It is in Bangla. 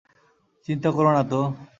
চিন্তা করো না তো।